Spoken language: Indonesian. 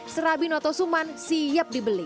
serabi noto suman siap dibeli